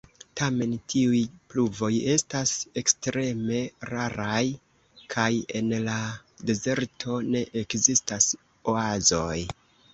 Tamen tiuj pluvoj estas ekstreme raraj, kaj en la dezerto ne ekzistas oazoj.